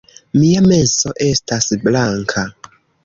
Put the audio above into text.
Mia menso estas blanka